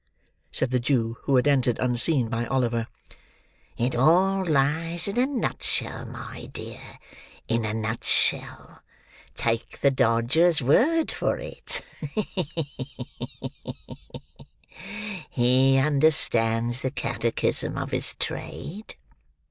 said the Jew, who had entered unseen by Oliver. "It all lies in a nutshell my dear; in a nutshell, take the Dodger's word for it. Ha! ha! ha! He understands the catechism of his trade."